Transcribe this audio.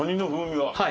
はい。